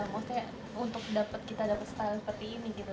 maksudnya untuk kita dapat stylenya seperti ini gitu